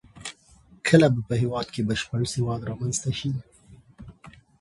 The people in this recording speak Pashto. کله به په هېواد کې بشپړ سواد رامنځته شي؟